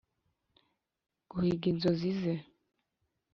guhiga inzozi ze.